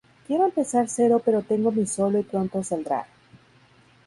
Quiero empezar cero pero tengo mi solo y pronto saldrá".